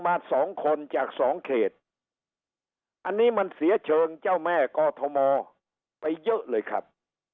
มาสองคนจากสองเขตอันนี้มันเสียเชิงเจ้าแม่กอทมไปเยอะเลยครับ